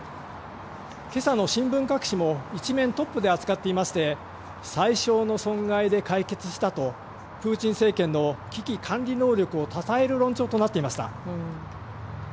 今朝の新聞各紙も１面トップで扱っていまして最小の損害で解決したとプーチン政権の危機管理能力をたたえる論調となっていました。